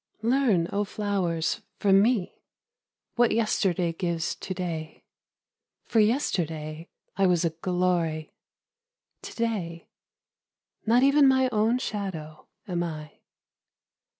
Learn oh flowers from me What yesterday gives to day — For yesterday I was a glory, To day not even my own shadow am I.